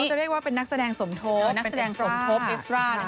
เขาจะเรียกว่าเป็นนักแสดงสมทบเป็นนักแสดงสมทบเอ็กซ์ตราร์